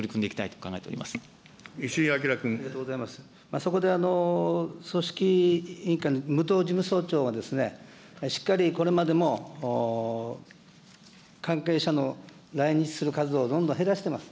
そこで、組織委員会の武藤事務総長が、しっかりこれまでも関係者の来日する数をどんどん減らしてます。